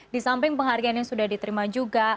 disamping penghargaan yang sudah diterima juga